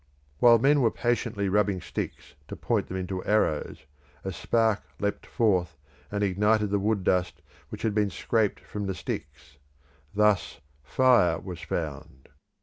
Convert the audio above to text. While men were patiently rubbing sticks to point them into arrows, a spark leapt forth and ignited the wood dust which had been scraped from the sticks. Thus fire was found.